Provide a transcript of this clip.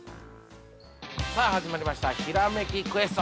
◆さあ、始まりました「ひらめきクエスト」。